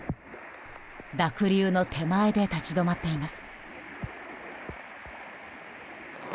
濁流の手前で立ち止まっています。